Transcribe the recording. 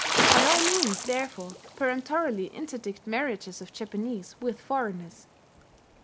By all means, therefore, peremptorily interdict marriages of Japanese with foreigners.